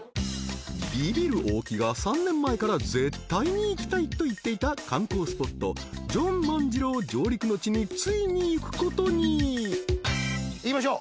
［ビビる大木が３年前から絶対に行きたいと言っていた観光スポットジョン万次郎上陸之地についに行くことに］行きましょう。